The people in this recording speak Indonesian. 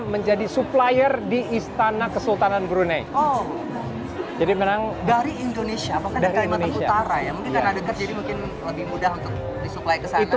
menjadi supplier di istana kesultanan brunei oh jadi menang dari indonesia dari indonesia